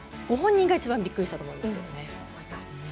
ご本人が一番びっくりしたと思います。